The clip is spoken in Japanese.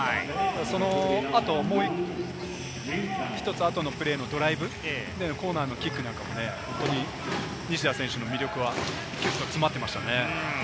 その後もう１つ後のプレーのドライブ、コーナーのピックなんかも西田選手の魅力は詰まっていましたね。